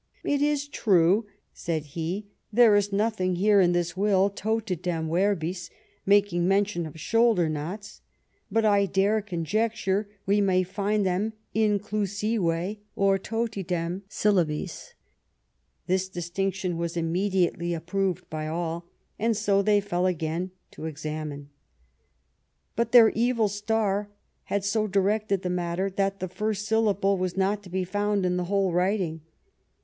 * It is true,' said he, * there is nothing here in this will, totidem verbis, making mention of shoulder knots; but I dare con jecture, we may find them inclimve, or totidem syllabis/ This distinction was immediately approved by all ; and so they fell again to examine. But their evil star had so directed the matter, that the first syllable was not to be found in the whole writing.